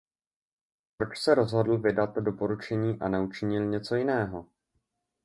Proč se rozhodl vydat doporučení a neučinil něco jiného?